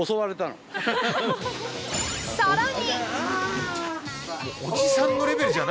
［さらに］